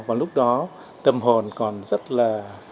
còn lúc đó tâm hồn còn rất là